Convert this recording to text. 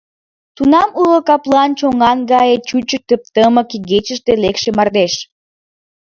Тунам уло каплан чонан гае чучо Тып-тымык игечыште лекше мардеж.